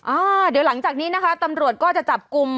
อ่าเดี๋ยวหลังจากนี้นะคะตำรวจก็จะจับกลุ่ม